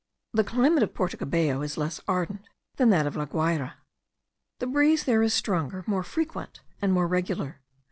The climate of Porto Cabello is less ardent than that of La Guayra. The breeze there is stronger, more frequent, and more regular.